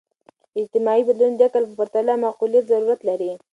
اجتماعي بدلونونه د عقل په پرتله د معقولیت ضرورت لري.